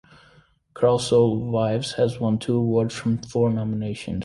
Carlso Vives has won two awards from four nominations.